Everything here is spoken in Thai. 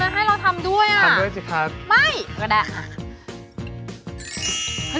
ให้เราทำด้วยอ่ะทำด้วยสิครับไม่ก็ได้ค่ะ